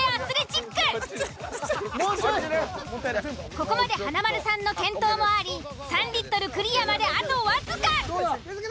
ここまで華丸さんの健闘もあり３リットルクリアまであと僅か。